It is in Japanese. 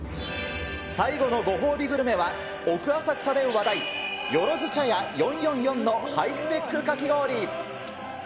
最後のご褒美グルメは、奥浅草で話題、よろず茶屋４４４のハイスペックかき氷。